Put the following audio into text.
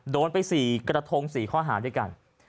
โดนไป๔กระทง๔ข้อหาด้วยกัน